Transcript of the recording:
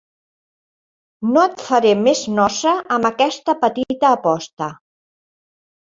No et faré més nosa amb aquesta petita aposta.